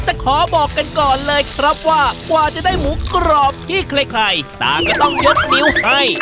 แต่ขอบอกกันก่อนเลยครับว่ากว่าจะได้หมูกรอบที่ใครต่างก็ต้องยกนิ้วให้